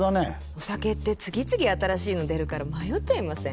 お酒って次々新しいの出るから迷っちゃいません？